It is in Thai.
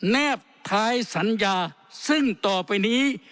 แบบท้ายสัญญาซึ่งต่อไปนี้